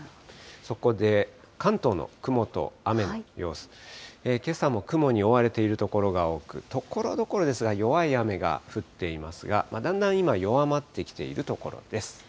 そこで関東の雲と雨の様子、けさも雲に覆われている所が多く、ところどころですが、弱い雨が降っていますが、だんだん今、弱まってきているところです。